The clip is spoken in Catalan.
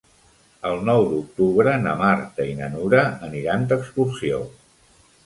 El nou d'octubre na Marta i na Nura aniran d'excursió.